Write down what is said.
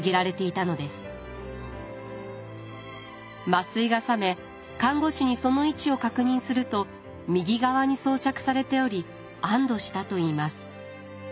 麻酔が覚め看護師にその位置を確認すると右側に装着されており安どしたといいます。